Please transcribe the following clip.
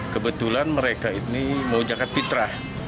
kebetulan mereka ini mau jagad fitrah